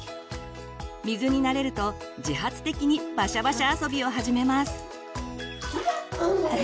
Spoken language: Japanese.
水に慣れると自発的にバシャバシャ遊びを始めます。